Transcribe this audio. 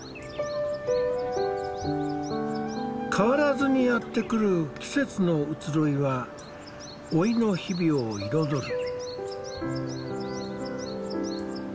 変わらずにやってくる季節の移ろいは老いの日々を彩る。